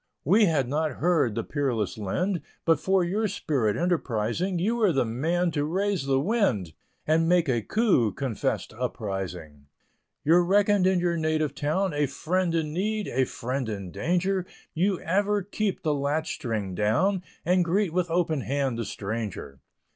We had not heard the peerless Lind, But for your spirit enterprising, You were the man to raise the wind, And make a coup confessed surprising. You're reckoned in your native town A friend in need, a friend in danger, You ever keep the latchstring down, And greet with open hand the stranger.